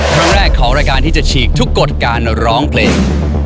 ครั้งแรกของรายการที่จะฉีกทุกกฎการร้องเพลง